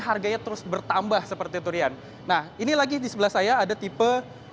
harganya terus bertambah seperti itu rian nah ini lagi di sebelah saya ada tipe dua ratus dua puluh